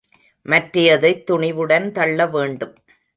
மற்றையதைத் துணிவுடன் தள்ளவேண்டும்.